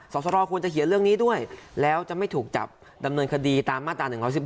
สรควรจะเขียนเรื่องนี้ด้วยแล้วจะไม่ถูกจับดำเนินคดีตามมาตรา๑๑๒